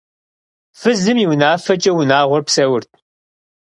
Фызым и унафэкӏэ унагъуэр псэурт.